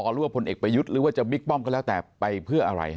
หรือว่าคนเอกประยุทธ์จะบิ๊กป้อมกันแล้วแต่ไปเพื่ออะไร